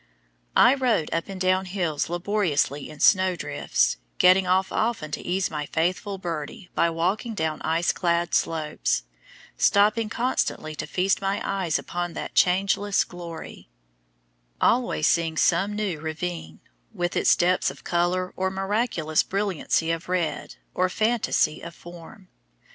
I rode up and down hills laboriously in snow drifts, getting off often to ease my faithful Birdie by walking down ice clad slopes, stopping constantly to feast my eyes upon that changeless glory, always seeing some new ravine, with its depths of color or miraculous brilliancy of red, or phantasy of form.